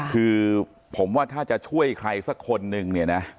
คือผมว่าถ้าจะช่วยใครสักคนนึงเนี่ยนะ